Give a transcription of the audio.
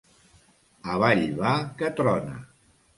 Avall va, que trona!